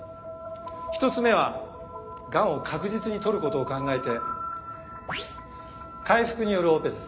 １つ目はがんを確実に取る事を考えて開腹によるオペです。